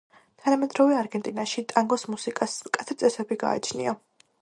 თანამედროვე არგენტინაში, ტანგოს მუსიკას მკაცრი წესები გააჩნია.